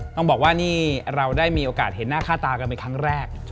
ต้องบอกว่านี่เราได้มีโอกาสเห็นหน้าค่าตากันเป็นครั้งแรก